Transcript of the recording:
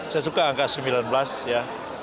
saya suka angka sembilan belas ya